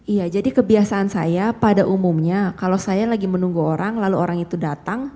iya jadi kebiasaan saya pada umumnya kalau saya lagi menunggu orang lalu orang itu datang